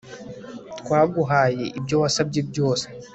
Twaguhaye ibyo wasabye byose